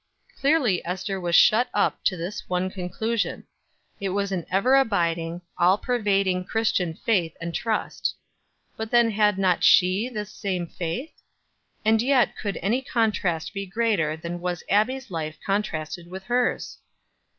Clearly Ester was shut up to this one conclusion it was an ever abiding, all pervading Christian faith and trust. But then had not she this same faith? And yet could any contrast be greater than was Abbie's life contrasted with hers?